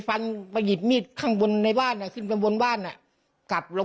ฟันไปหยิบมีดข้างบนในบ้านอ่ะขึ้นไปบนบ้านอ่ะกลับลง